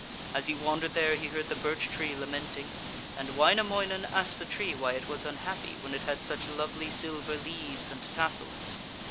As he wandered there he heard the birch tree lamenting, and Wainamoinen asked the tree why it was unhappy when it had such lovely silver leaves and tassels.